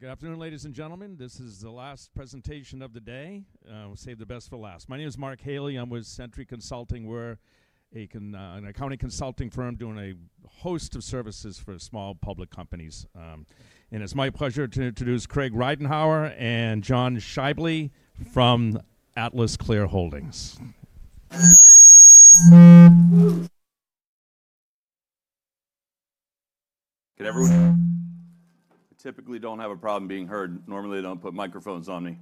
Good afternoon, ladies and gentlemen. This is the last presentation of the day. We'll save the best for last. My name is Mark Haley, I'm with Centri Consulting. We're an accounting consulting firm doing a host of services for small public companies. It's my pleasure to introduce Craig Ridenhour and John Schaible from AtlasClear Holdings. Good afternoon. I typically don't have a problem being heard. Normally, they don't put microphones on me.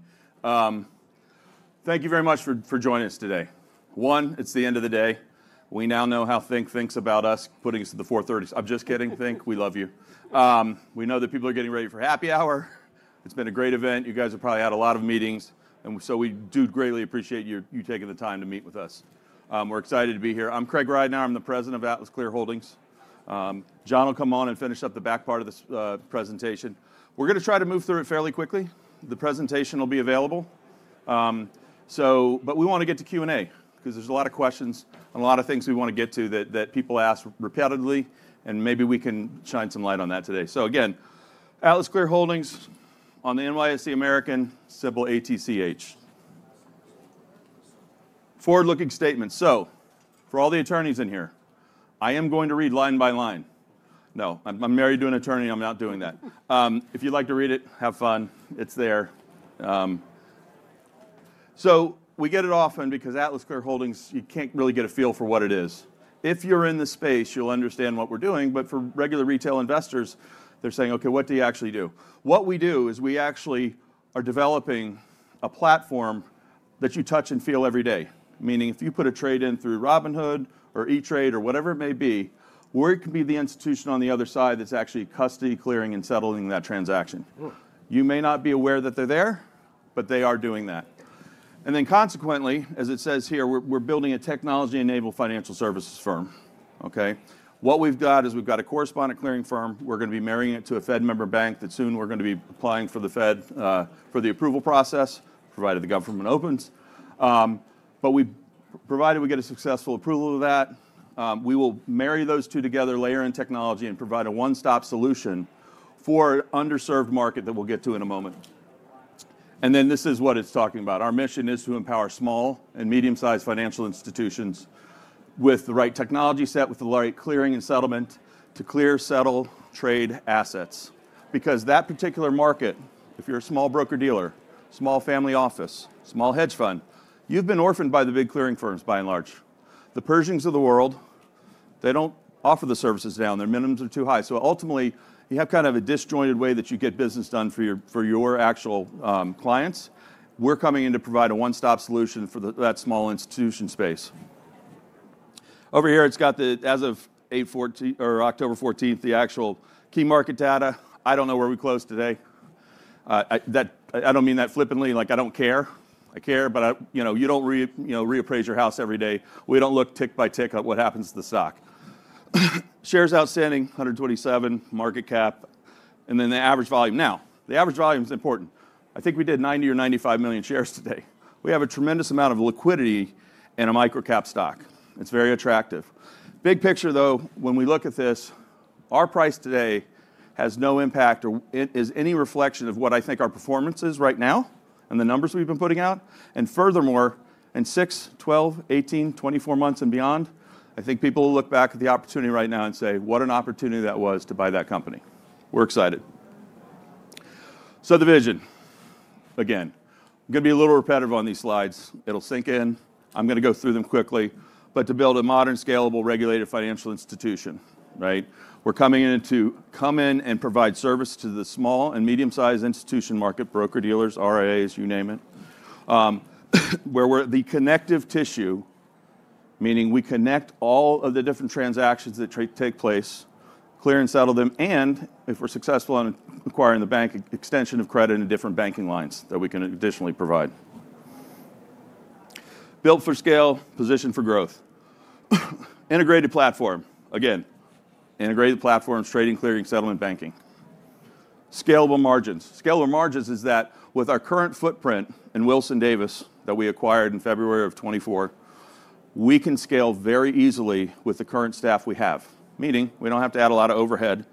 Thank you very much for joining us today. One, it's the end of the day. We now know how Think thinks about us putting us to the 4:30. I'm just kidding, Think, we love you. We know that people are getting ready for happy hour. It's been a great event. You guys have probably had a lot of meetings. We do greatly appreciate you taking the time to meet with us. We're excited to be here. I'm Craig Ridenhour. I'm the President of AtlasClear Holdings. John will come on and finish up the back part of this presentation. We're going to try to move through it fairly quickly. The presentation will be available. We want to get to Q&A because there's a lot of questions and a lot of things we want to get to that people ask repetitively, and maybe we can shine some light on that today. Again, AtlasClear Holdings on the NYSE American, symbol ATCH. Forward-looking statement. For all the attorneys in here, I am going to read line by line. No, I'm married to an attorney. I'm not doing that. If you'd like to read it, have fun. It's there. We get it often because AtlasClear Holdings, you can't really get a feel for what it is. If you're in the space, you'll understand what we're doing. For regular retail investors, they're saying, okay, what do you actually do? What we do is we actually are developing a platform that you touch and feel every day. Meaning if you put a trade in through Robinhood or E-Trade or whatever it may be, we can be the institution on the other side that's actually custody, clearing, and settling that transaction. You may not be aware that they're there, but they are doing that. Consequently, as it says here, we're building a technology-enabled financial services firm. What we've got is we've got a correspondent clearing firm. We're going to be marrying it to a Fed member bank that soon we're going to be applying for the Fed for the approval process, provided the government opens. Provided we get a successful approval of that, we will marry those two together, layer in technology, and provide a one-stop solution for an underserved market that we'll get to in a moment. This is what it's talking about. Our mission is to empower small and medium-sized financial institutions with the right technology set, with the right clearing and settlement to clear, settle, trade assets. Because that particular market, if you're a small broker-dealer, small family office, small hedge fund, you've been orphaned by the big clearing firms, by and large. The Pershings of the world. They don't offer the services down. Their minimums are too high. Ultimately, you have kind of a disjointed way that you get business done for your actual clients. We're coming in to provide a one-stop solution for that small institution space. Over here, it's got the, as of October 14th, the actual key market data. I don't know where we close today. I don't mean that flippantly. Like I don't care. I care, but you don't reappraise your house every day. We don't look tick by tick at what happens to the stock. Shares outstanding, 127, market cap. And then the average volume. Now, the average volume is important. I think we did 90 or 95 million shares today. We have a tremendous amount of liquidity in a microcap stock. It's very attractive. Big picture, though, when we look at this, our price today has no impact or is any reflection of what I think our performance is right now and the numbers we've been putting out. Furthermore, in 6, 12, 18, 24 months and beyond, I think people will look back at the opportunity right now and say, what an opportunity that was to buy that company. We're excited. The vision. Again, I'm going to be a little repetitive on these slides. It'll sink in. I'm going to go through them quickly. To build a modern, scalable, regulated financial institution. We're coming in to come in and provide service to the small and medium-sized institution market, broker-dealers, RIAs, you name it. Where we're the connective tissue, meaning we connect all of the different transactions that take place, clear and settle them, and if we're successful in acquiring the bank, extension of credit and different banking lines that we can additionally provide. Built for scale, position for growth. Integrated platform. Again, integrated platforms, trading, clearing, settlement, banking. Scalable margins. Scalable margins is that with our current footprint in Wilson-Davis that we acquired in February of 2024, we can scale very easily with the current staff we have. Meaning we don't have to add a lot of overhead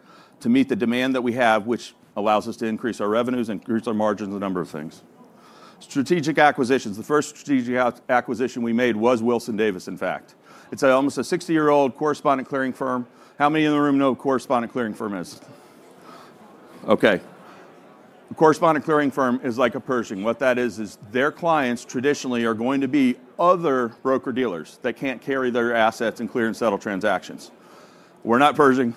to meet the demand that we have, which allows us to increase our revenues and increase our margins and a number of things. Strategic acquisitions. The first strategic acquisition we made was Wilson-Davis, in fact. It's almost a 60-year-old correspondent clearing firm. How many in the room know what a correspondent clearing firm is? Okay. A correspondent clearing firm is like a Pershing. What that is, is their clients traditionally are going to be other broker-dealers that can't carry their assets and clear and settle transactions. We're not Pershing.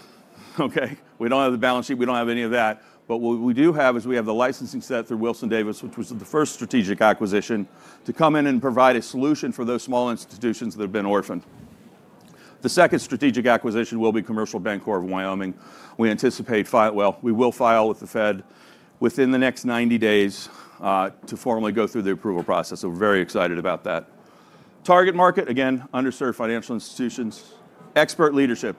We don't have the balance sheet. We don't have any of that. What we do have is we have the licensing set through Wilson-Davis, which was the first strategic acquisition, to come in and provide a solution for those small institutions that have been orphaned. The second strategic acquisition will be Commercial Bancorp of Wyoming. We anticipate we will file with the Fed within the next 90 days to formally go through the approval process. We're very excited about that. Target market, again, underserved financial institutions, expert leadership.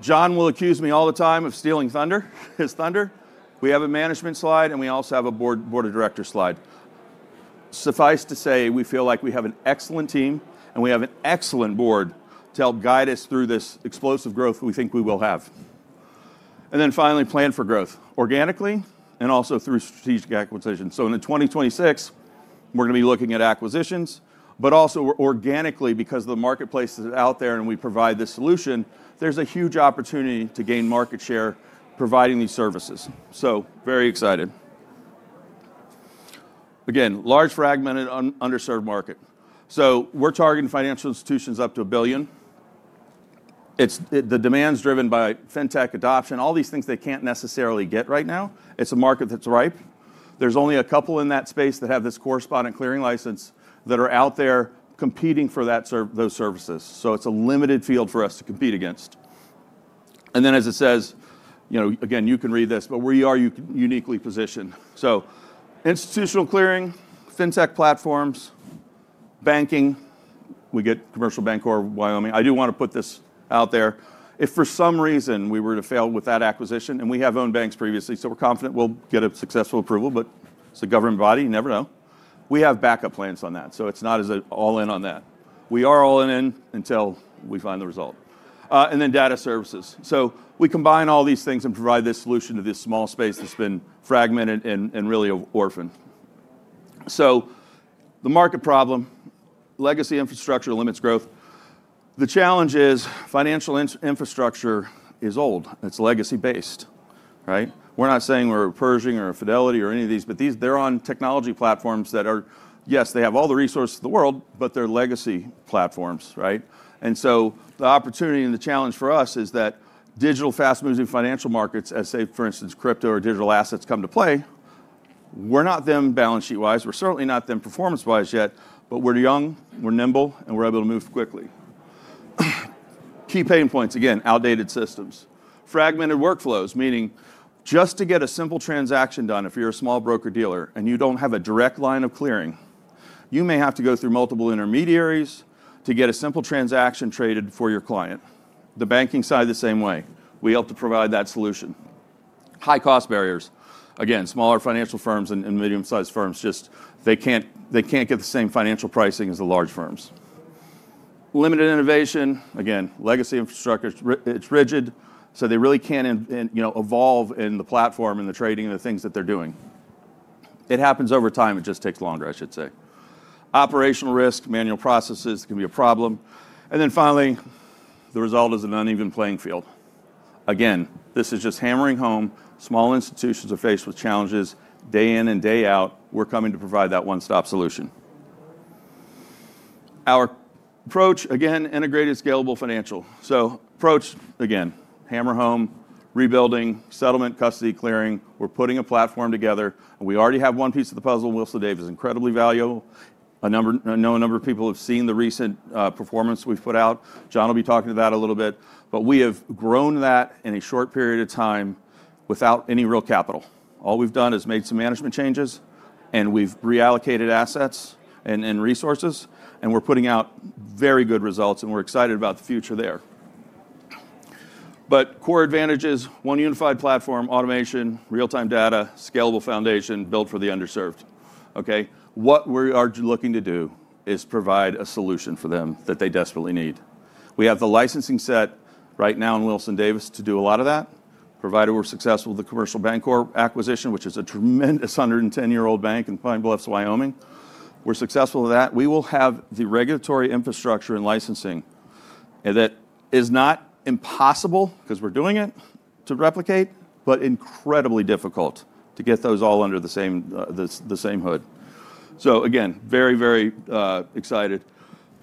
John will accuse me all the time of stealing thunder, his thunder. We have a management slide, and we also have a board of directors slide. Suffice to say, we feel like we have an excellent team, and we have an excellent board to help guide us through this explosive growth we think we will have. Finally, plan for growth organically and also through strategic acquisitions. In 2026, we're going to be looking at acquisitions, but also organically, because the marketplace is out there and we provide this solution, there's a huge opportunity to gain market share providing these services. Very excited. Again, large fragmented underserved market. We're targeting financial institutions up to a billion. The demand is driven by fintech adoption, all these things they can't necessarily get right now. It's a market that's ripe. There's only a couple in that space that have this correspondent clearing license that are out there competing for those services. It's a limited field for us to compete against. As it says, again, you can read this, but we are uniquely positioned. Institutional clearing, fintech platforms. Banking, we get Commercial Bancorp of Wyoming. I do want to put this out there. If for some reason we were to fail with that acquisition, and we have owned banks previously, so we're confident we'll get a successful approval, but it's a government body. You never know. We have backup plans on that. It's not as an all-in on that. We are all-in until we find the result. Data services. We combine all these things and provide this solution to this small space that's been fragmented and really orphaned. The market problem is legacy infrastructure limits growth. The challenge is financial infrastructure is old. It's legacy-based. We're not saying we're a Pershing or a Fidelity or any of these, but they're on technology platforms that are, yes, they have all the resources of the world, but they're legacy platforms. The opportunity and the challenge for us is that digital fast-moving financial markets, as, say, for instance, crypto or digital assets come to play. We're not them balance sheet-wise. We're certainly not them performance-wise yet. We're young, we're nimble, and we're able to move quickly. Key pain points, again, outdated systems. Fragmented workflows, meaning just to get a simple transaction done, if you're a small broker-dealer and you don't have a direct line of clearing, you may have to go through multiple intermediaries to get a simple transaction traded for your client. The banking side, the same way. We help to provide that solution. High cost barriers. Again, smaller financial firms and medium-sized firms just can't get the same financial pricing as the large firms. Limited innovation. Again, legacy infrastructure, it's rigid. They really can't evolve in the platform and the trading and the things that they're doing. It happens over time. It just takes longer, I should say. Operational risk, manual processes can be a problem. Finally, the result is an uneven playing field. This is just hammering home. Small institutions are faced with challenges day in and day out. We're coming to provide that one-stop solution. Our approach, again, integrated, scalable, financial. Approach, again, hammer home, rebuilding, settlement, custody, clearing. We're putting a platform together. We already have one piece of the puzzle. Wilson-Davis is incredibly valuable. A number of people have seen the recent performance we've put out. John will be talking to that a little bit. We have grown that in a short period of time without any real capital. All we've done is made some management changes, and we've reallocated assets and resources. We're putting out very good results, and we're excited about the future there. Core advantages: one unified platform, automation, real-time data, scalable foundation, built for the underserved. What we are looking to do is provide a solution for them that they desperately need. We have the licensing set right now in Wilson-Davis to do a lot of that. Provided we're successful with the Commercial Bancorp acquisition, which is a tremendous 110-year-old bank in Pine Bluffs, Wyoming, we're successful with that. We will have the regulatory infrastructure and licensing. That is not impossible because we're doing it to replicate, but incredibly difficult to get those all under the same hood. Again, very, very excited.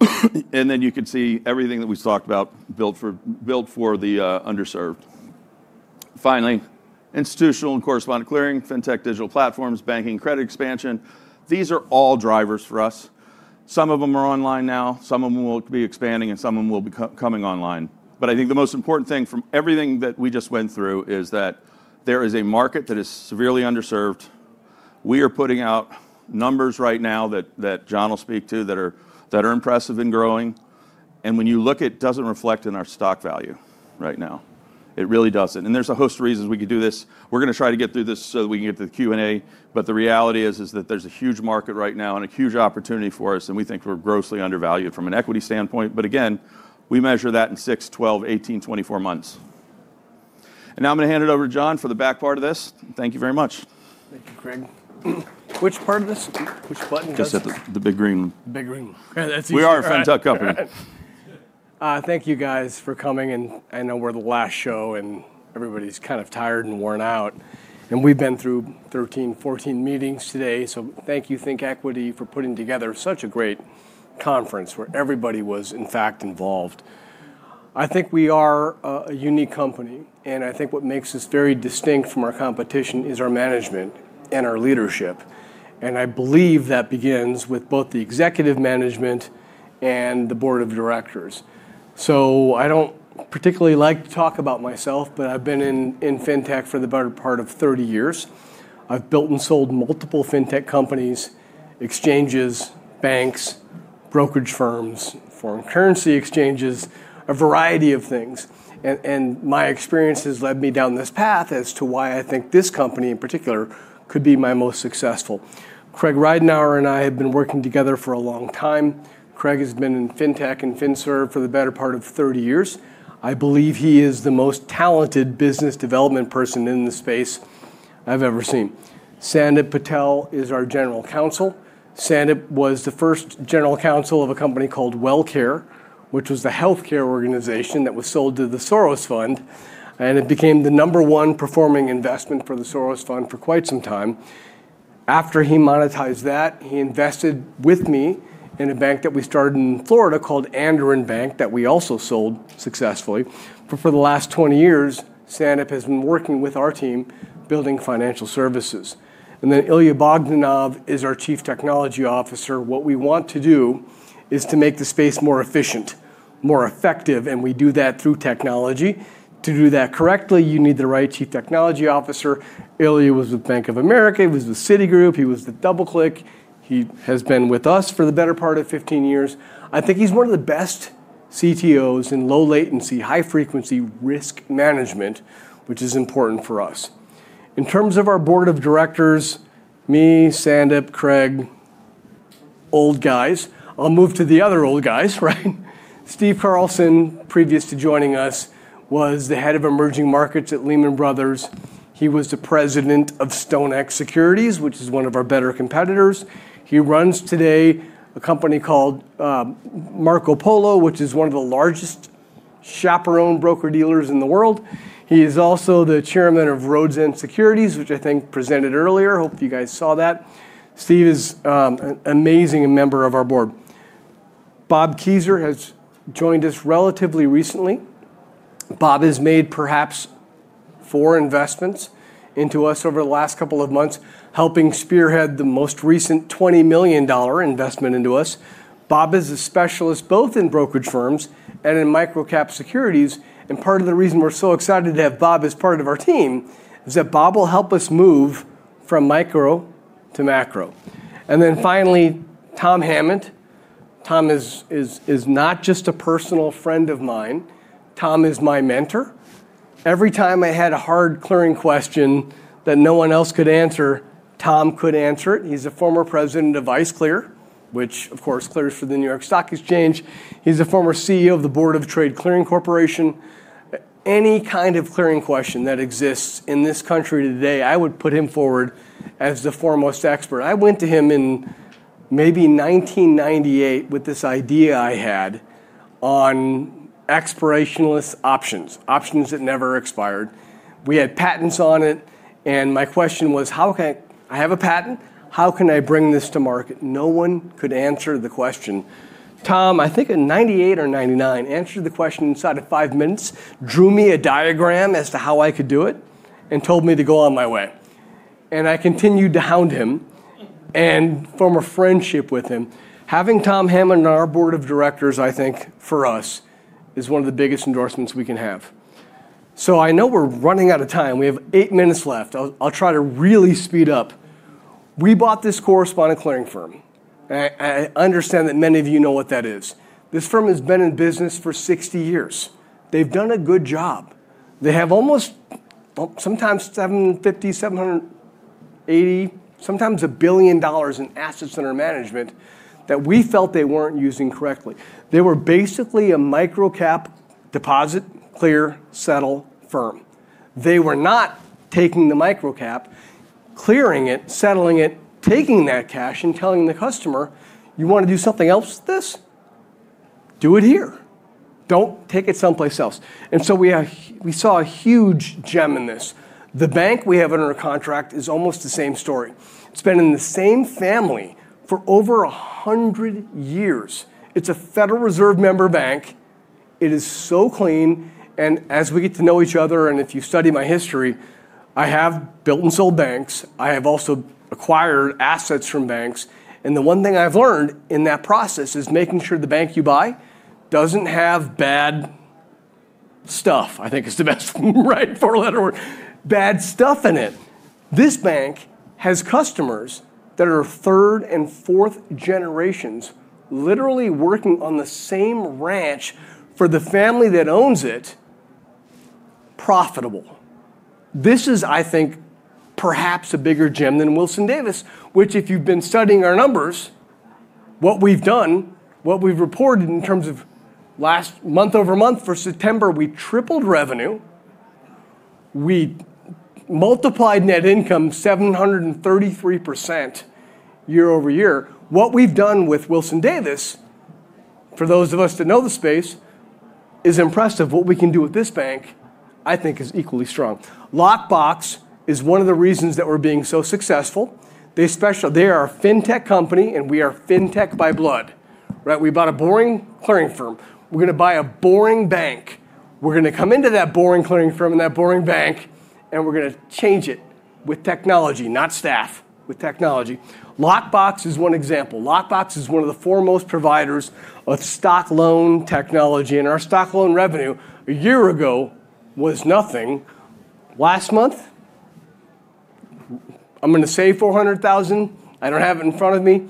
You can see everything that we've talked about built for the underserved. Finally, institutional and correspondent clearing, fintech, digital platforms, banking, credit expansion. These are all drivers for us. Some of them are online now, some of them will be expanding, and some of them will be coming online. I think the most important thing from everything that we just went through is that there is a market that is severely underserved. We are putting out numbers right now that John will speak to that are impressive and growing. When you look at it, it doesn't reflect in our stock value right now. It really doesn't. There's a host of reasons we could do this. We're going to try to get through this so that we can get to the Q&A. The reality is that there's a huge market right now and a huge opportunity for us. We think we're grossly undervalued from an equity standpoint. Again, we measure that in 6, 12, 18, 24 months. Now I'm going to hand it over to John for the back part of this. Thank you very much. Thank you, Craig. Which button does this? Which button does? The big green. Big green. We are a fintech company. Thank you, guys, for coming. I know we're the last show, and everybody's kind of tired and worn out. We've been through 13, 14 meetings today. Thank you, Think Equity, for putting together such a great conference where everybody was, in fact, involved. I think we are a unique company. I think what makes us very distinct from our competition is our management and our leadership. I believe that begins with both the Executive Management and the Board of Directors. I don't particularly like to talk about myself, but I've been in fintech for the better part of 30 years. I've built and sold multiple fintech companies, exchanges, banks, brokerage firms, foreign currency exchanges, a variety of things. My experience has led me down this path as to why I think this company in particular could be my most successful. Craig Ridenhour and I have been working together for a long time. Craig has been in fintech and fin-serve for the better part of 30 years. I believe he is the most talented business development person in the space I've ever seen. Sandip Patel is our General Counsel. Sandip was the first General Counsel of a company called WellCare, which was the health care organization that was sold to the Soros Fund. It became the number one performing investment for the Soros Fund for quite some time. After he monetized that, he invested with me in a bank that we started in Florida called Andorran Bank that we also sold successfully. For the last 20 years, Sandip has been working with our team building financial services. Ilya Bogdanov is our Chief Technology Officer. What we want to do is to make the space more efficient, more effective. We do that through technology. To do that correctly, you need the right Chief Technology Officer. Ilya was with Bank of America, he was with Citigroup, he was with DoubleClick. He has been with us for the better part of 15 years. I think he's one of the best CTOs in low latency, high frequency risk management, which is important for us. In terms of our Board of Directors, me, Sandip, Craig. Old guys. I'll move to the other old guys. Steve Carlson, previous to joining us, was the Head of Emerging Markets at Lehman Brothers. He was the President of StoneX Securities, which is one of our better competitors. He runs today a company called Marco Polo, which is one of the largest chaperone broker-dealers in the world. He is also the Chairman of Rhodes End Securities, which I think presented earlier. Hope you guys saw that. Steve is an amazing member of our board. Bob Keyser has joined us relatively recently. Bob has made perhaps four investments into us over the last couple of months, helping spearhead the most recent $20 million investment into us. Bob is a specialist both in brokerage firms and in microcap securities. Part of the reason we're so excited to have Bob as part of our team is that Bob will help us move from micro to macro. Finally, Tom Hammond. Tom is not just a personal friend of mine. Tom is my mentor. Every time I had a hard clearing question that no one else could answer, Tom could answer it. He's a former President of ICE Clear, which, of course, clears for the New York Stock Exchange. He's a former CEO of the Board of Trade Clearing Corporation. Any kind of clearing question that exists in this country today, I would put him forward as the foremost expert. I went to him in maybe 1998 with this idea I had on expirationless options, options that never expired. We had patents on it. My question was, how can I have a patent? How can I bring this to market? No one could answer the question. Tom, I think in 1998 or 1999, answered the question inside of five minutes, drew me a diagram as to how I could do it, and told me to go on my way. I continued to hound him and form a friendship with him. Having Tom Hammond on our Board of Directors, I think, for us, is one of the biggest endorsements we can have. I know we're running out of time. We have eight minutes left. I'll try to really speed up. We bought this correspondent clearing firm. I understand that many of you know what that is. This firm has been in business for 60 years. They've done a good job. They have almost, sometimes $750 million, $780 million, sometimes $1 billion in assets under management that we felt they weren't using correctly. They were basically a microcap deposit clear, settle firm. They were not taking the microcap, clearing it, settling it, taking that cash, and telling the customer, "You want to do something else with this? Do it here. Don't take it someplace else." We saw a huge gem in this. The bank we have under contract is almost the same story. It's been in the same family for over 100 years. It's a Federal Reserve member bank. It is so clean. As we get to know each other, and if you study my history, I have built and sold banks. I have also acquired assets from banks. The one thing I've learned in that process is making sure the bank you buy doesn't have bad stuff, I think is the best word. Bad stuff in it. This bank has customers that are third and fourth generations literally working on the same ranch for the family that owns it. Profitable. This is, I think, perhaps a bigger gem than Wilson-Davis, which if you've been studying our numbers, what we've done, what we've reported in terms of last month over month for September, we tripled revenue. We multiplied net income 733% year-over-year. What we've done with Wilson-Davis, for those of us that know the space, is impressive. What we can do with this bank, I think, is equally strong. Lockbox is one of the reasons that we're being so successful. They are a fintech company, and we are fintech by blood. We bought a boring clearing firm. We're going to buy a boring bank. We're going to come into that boring clearing firm and that boring bank, and we're going to change it with technology, not staff, with technology. Lockbox is one example. Lockbox is one of the foremost providers of stock loan technology. Our stock loan revenue a year ago was nothing. Last month, I'm going to say $400,000. I don't have it in front of me,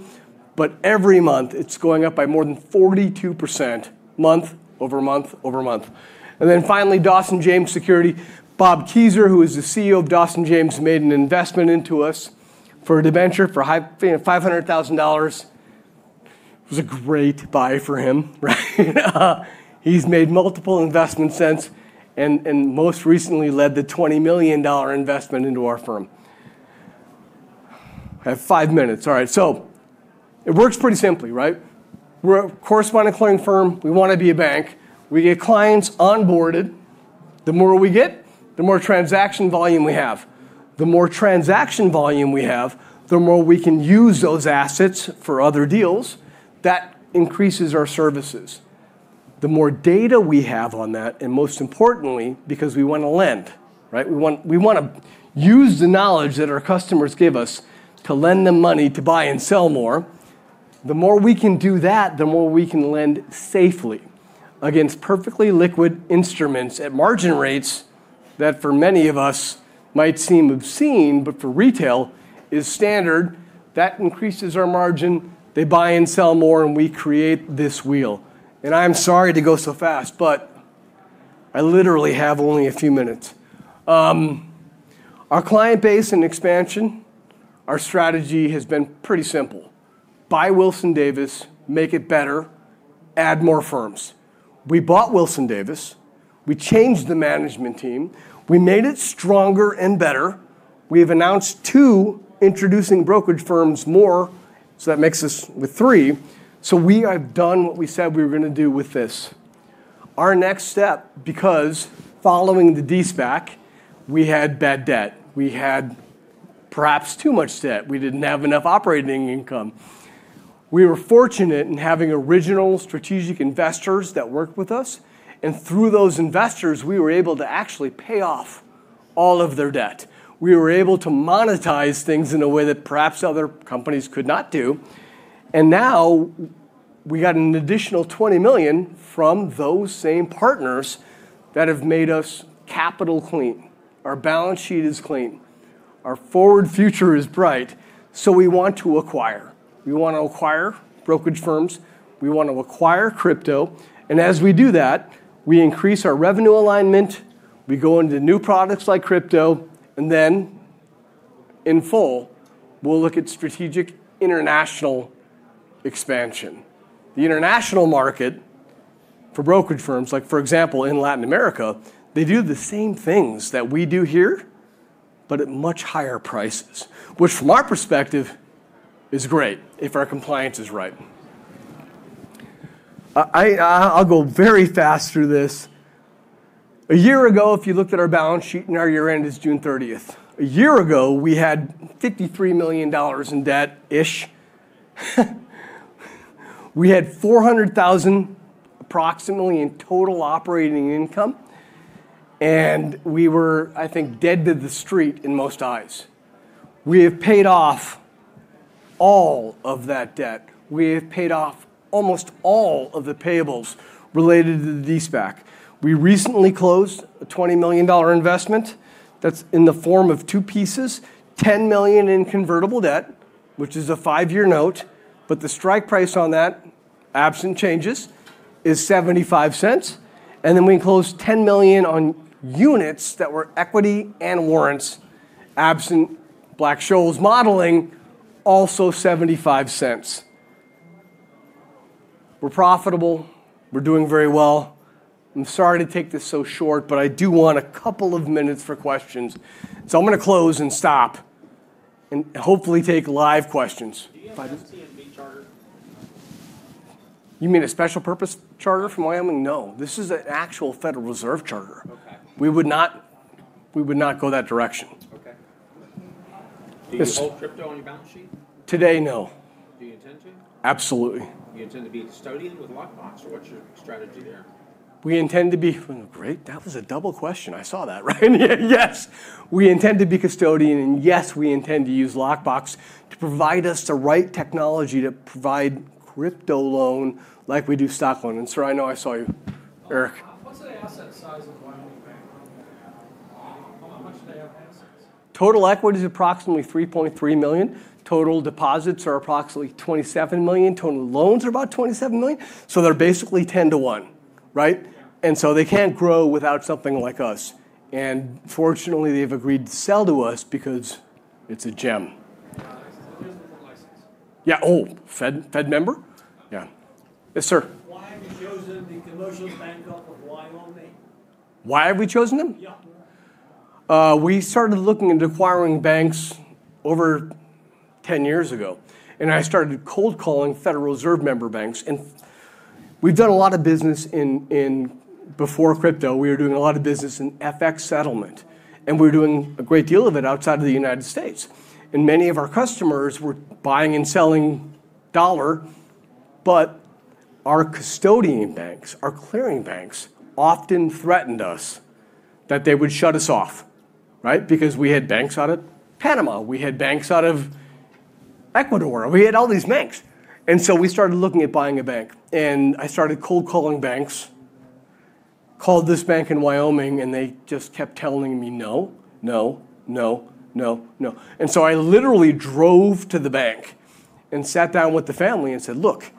but every month, it's going up by more than 42% month over month over month. Finally, Dawson James Securities. Bob Keyser, who is the CEO of Dawson James, made an investment into us for $500,000. It was a great buy for him. He's made multiple investments since and most recently led the $20 million investment into our firm. I have five minutes. All right. It works pretty simply. We're a correspondent clearing firm. We want to be a bank. We get clients onboarded. The more we get, the more transaction volume we have. The more transaction volume we have, the more we can use those assets for other deals. That increases our services. The more data we have on that, and most importantly, because we want to lend. We want to use the knowledge that our customers give us to lend them money to buy and sell more. The more we can do that, the more we can lend safely against perfectly liquid instruments at margin rates that for many of us might seem obscene, but for retail is standard. That increases our margin. They buy and sell more, and we create this wheel. I'm sorry to go so fast, but I literally have only a few minutes. Our client base and expansion, our strategy has been pretty simple. Buy Wilson-Davis, make it better, add more firms. We bought Wilson-Davis, we changed the management team. We made it stronger and better. We have announced two introducing brokerage firms more. That makes us with three. We have done what we said we were going to do with this. Our next step, because following the DSPAC, we had bad debt. We had perhaps too much debt. We didn't have enough operating income. We were fortunate in having original strategic investors that worked with us. Through those investors, we were able to actually pay off all of their debt. We were able to monetize things in a way that perhaps other companies could not do. Now. We got an additional $20 million from those same partners that have made us capital clean. Our balance sheet is clean. Our forward future is bright. We want to acquire. We want to acquire brokerage firms. We want to acquire crypto. As we do that, we increase our revenue alignment. We go into new products like crypto. In full, we'll look at strategic international expansion. The international market for brokerage firms, like for example, in Latin America, they do the same things that we do here, but at much higher prices, which from our perspective is great if our compliance is right. I'll go very fast through this. A year ago, if you looked at our balance sheet and our year-end is June 30th, a year ago, we had $53 million in debt-ish. We had $400,000 approximately in total operating income. We were, I think, dead to the street in most eyes. We have paid off all of that debt. We have paid off almost all of the payables related to the DSPAC. We recently closed a $20 million investment. That's in the form of two pieces, $10 million in convertible debt, which is a five-year note. The strike price on that, absent changes, is $0.75. We closed $10 million on units that were equity and warrants, absent Black-Scholes modeling, also $0.75. We're profitable. We're doing very well. I'm sorry to take this so short, but I do want a couple of minutes for questions. I'm going to close and stop and hopefully take live questions. You mean a special purpose charter from Wyoming? No. This is an actual Federal Reserve charter. We would not go that direction. Okay. Do you hold crypto on your balance sheet? Today, no. Do you intend to? Absolutely. You intend to be a custodian with Lockbox? Or what's your strategy there? We intend to be great. That was a double question. I saw that, right? Yes. We intend to be custodian. Yes, we intend to use Lockbox to provide us the right technology to provide crypto loan like we do stock loan. Sorry, I know I saw you, Eric. What's the asset size of Wyoming Bank? Total equity is approximately $3.3 million. Total deposits are approximately $27 million. Total loans are about $27 million. They're basically 10 to 1. They can't grow without something like us. Fortunately, they've agreed to sell to us because it's a gem. Yeah. Oh, Fed member? Yeah. Yes, sir. Why have you chosen the Commercial Bancorp of Wyoming? Why have we chosen them? Yeah. We started looking into acquiring banks over 10 years ago. I started cold calling Federal Reserve member banks. We've done a lot of business. Before crypto, we were doing a lot of business in FX settlement. We were doing a great deal of it outside of the United States, and many of our customers were buying and selling dollar. Our custodian banks, our clearing banks, often threatened us that they would shut us off because we had banks out of Panama. We had banks out of Ecuador. We had all these banks. We started looking at buying a bank. I started cold calling banks. Called this bank in Wyoming, and they just kept telling me, "No. No. No. No. No." I literally drove to the bank and sat down with the family and said, "Look,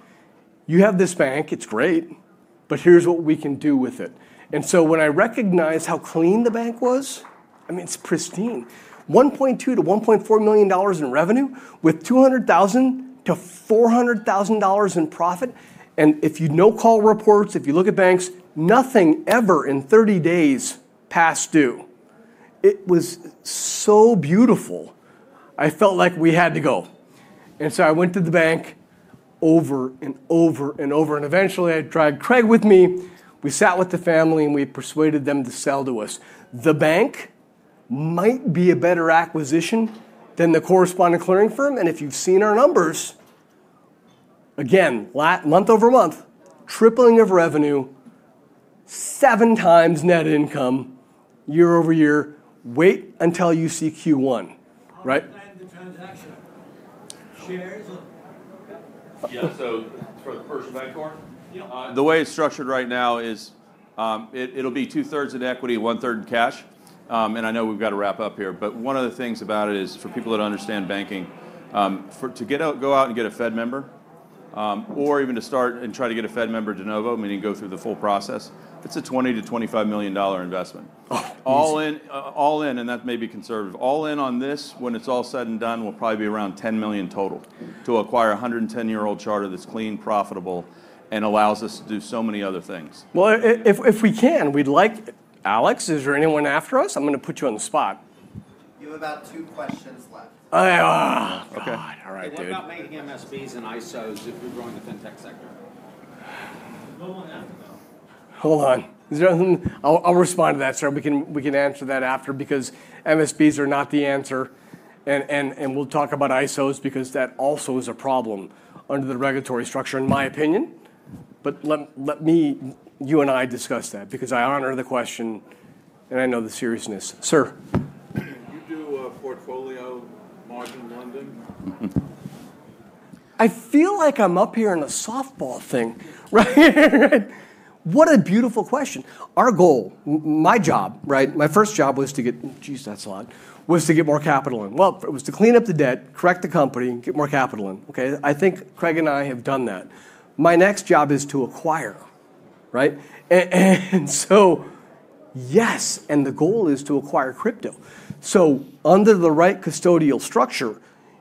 you have this bank. It's great. Here's what we can do with it." When I recognized how clean the bank was, I mean, it's pristine. $1.2million-$1.4 million in revenue with $200,000-$400,000 in profit. If you know call reports, if you look at banks, nothing ever in 30 days past due. It was so beautiful. I felt like we had to go. I went to the bank over and over and over. Eventually, I dragged Craig with me. We sat with the family, and we persuaded them to sell to us. The bank might be a better acquisition than the correspondent clearing firm. If you've seen our numbers, again, month-over-month, tripling of revenue, 7x net income year-over-year, wait until you see Q1. How do you plan the transaction? Shares or? Yeah. For the personal bank core? Yeah. The way it's structured right now is it'll be two-thirds in equity, one-third in cash. I know we've got to wrap up here. One of the things about it is for people that understand banking, to go out and get a Fed member or even to start and try to get a Fed member, De Novo, meaning go through the full process, it's a $20million-$25 million investment. All in, and that may be conservative. All in on this, when it's all said and done, will probably be around $10 million total to acquire a 110-year-old charter that's clean, profitable, and allows us to do so many other things. If we can, we'd like Alex, is there anyone after us? I'm going to put you on the spot. You have about two questions left. All right. We're not making MSBs and ISOs if we're growing the fintech sector. Hold on. I'll respond to that, sir. We can answer that after because MSBs are not the answer. We will talk about ISOs because that also is a problem under the regulatory structure, in my opinion. Let you and I discuss that because I honor the question and I know the seriousness. Sir. Do you do portfolio margin lending? I feel like I'm up here in a softball thing. What a beautiful question. Our goal, my job, my first job was to get, that's a lot, was to get more capital in. It was to clean up the debt, correct the company, get more capital in. I think Craig and I have done that. My next job is to acquire. Yes, and the goal is to acquire crypto. Under the right custodial structure,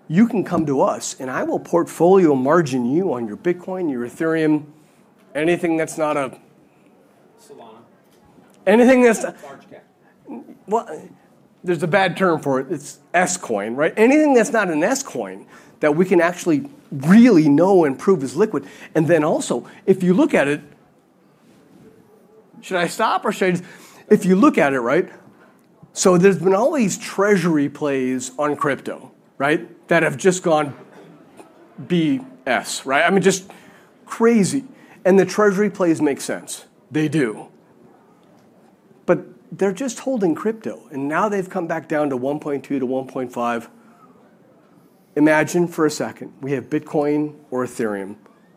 you can come to us, and I will portfolio margin you on your Bitcoin, your Ethereum, anything that's, there's a bad term for it. It's S-coin. Anything that's not an S-coin that we can actually really know and prove is liquid. If you look at it, so there's been all these treasury plays on crypto that have just gone, BS. I mean, just crazy. The treasury plays make sense. They do. They're just holding crypto. Now they've come back down to $1.2million-$1.5 million. Imagine for a second we have Bitcoin or Ethereum,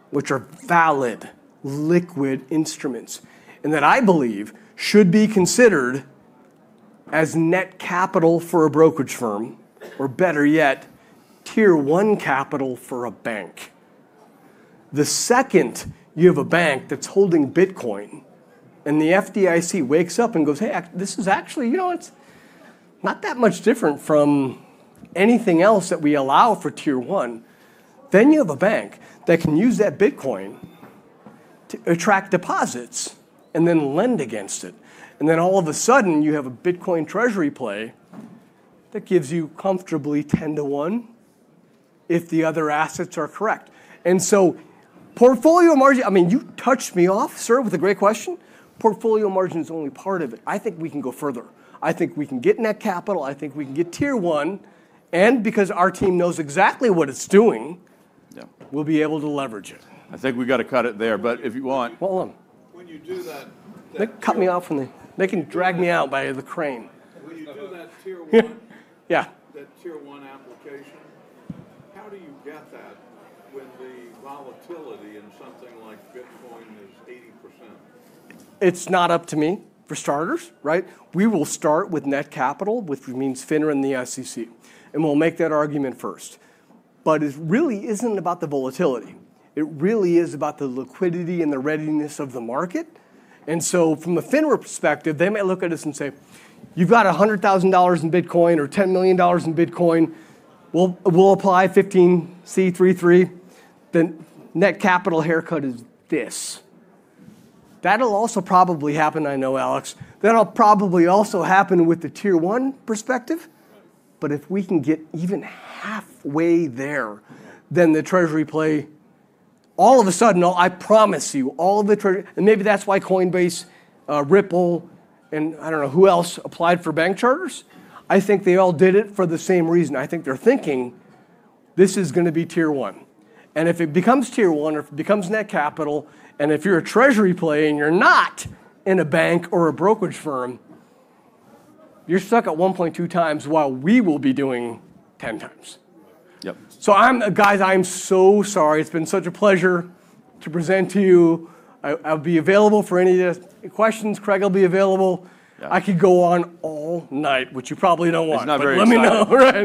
which are valid, liquid instruments and that I believe should be considered as net capital for a brokerage firm or better yet, tier one capital for a bank. The second you have a bank that's holding Bitcoin and the FDIC wakes up and goes, "Hey, this is actually not that much different from anything else that we allow for tier one," then you have a bank that can use that Bitcoin to attract deposits and then lend against it. All of a sudden, you have a Bitcoin treasury play that gives you comfortably 10 to 1 if the other assets are correct. Portfolio margin, I mean, you touched me off, sir, with a great question. Portfolio margin is only part of it. I think we can go further. I think we can get net capital. I think we can get tier one. Because our team knows exactly what it's doing, we'll be able to leverage it. I think we got to cut it there. If you want it on. When you do that? Cut me off from then they can drag me out by the crane. That tier one application. How do you get that when the volatility in something like Bitcoin is 80%? It's not up to me for starters. We will start with net capital, which means FINRA and the SEC. We will make that argument first. It really isn't about the volatility. It really is about the liquidity and the readiness of the market. From a FINRA perspective, they may look at us and say, "You've got $100,000 in Bitcoin or $10 million in Bitcoin. We'll apply 15c3-3. The net capital haircut is this." That will also probably happen, I know, Alex. That will probably also happen with the tier one perspective. If we can get even halfway there, then the treasury play, all of a sudden, I promise you, all of the treasury, and maybe that's why Coinbase, Ripple, and I don't know who else applied for bank charters. I think they all did it for the same reason. I think they're thinking this is going to be tier one. If it becomes tier one or if it becomes net capital, and if you're a treasury play and you're not in a bank or a brokerage firm, you're stuck at 1.2x while we will be doing 10x. I'm so sorry. It's been such a pleasure to present to you. I'll be available for any questions. Craig will be available. I could go on all night, which you probably don't want. It's not very fun. Let me know.